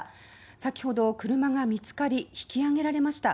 先ほど車が見つかり引き上げられました。